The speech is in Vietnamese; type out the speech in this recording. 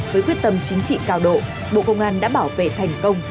với quyết tâm chính trị cao độ bộ công an đã bảo vệ thành công